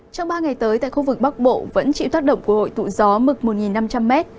trong ba ngày tới tại khu vực bắc bộ vẫn chịu tác động của hội tụ gió mực một năm trăm linh m